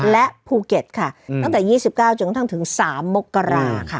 และภูเกดค่ะอืมตั้งแต่ยี่สิบเก้าจนกระท่างถึงสามมกราค่ะ